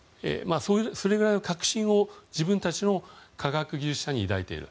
それぐらいの核心を、自分たちの科学技術者に抱いている。